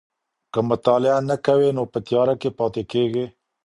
که مطالعه نه کوې نو په تياره کي پاته کېږې.